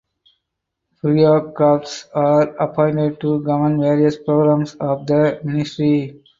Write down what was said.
Bureaucrats are appointed to govern various programs of the Ministry.